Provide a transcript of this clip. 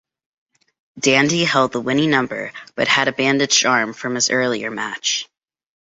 Dandy held the winning number but had a bandaged arm from his earlier match.